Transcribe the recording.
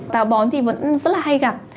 táo bón thì vẫn rất là hay gặp